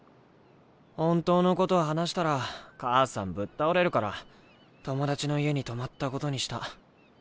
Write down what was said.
本当のことを話したら母さんぶっ倒れるから友達の家に泊まったことにした。